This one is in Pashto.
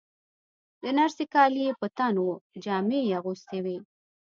د نرسې کالي یې په تن وو، جامې یې اغوستې وې.